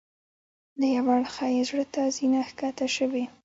له یوه اړخه یې زړه ته زینه ښکته شوې.